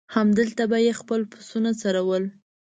هلته به یې خپل پسونه څرول.